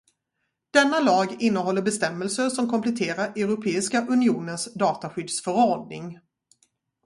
Denna lag innehåller bestämmelser som kompletterar Europeiska unionens dataskyddsförordning.